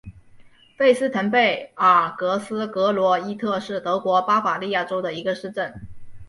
费斯滕贝尔格斯格罗伊特是德国巴伐利亚州的一个市镇。